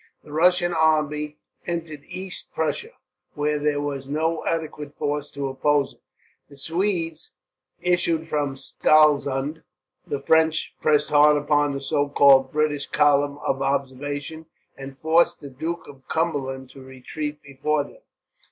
The Russian army entered East Prussia, where there was no adequate force to oppose it; the Swedes issued from Stralsund; the French pressed hard upon the so called British column of observation, and forced the Duke of Cumberland to retreat before them.